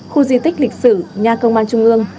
khu di tích lịch sử nhà công an trung ương